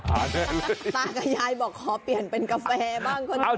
ตากับยายบอกขอเปลี่ยนเป็นกาแฟบ้างก็ได้